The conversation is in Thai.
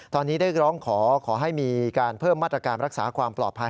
ตอนนี้ได้ร้องขอขอให้มีการเพิ่มมาตรการรักษาความปลอดภัย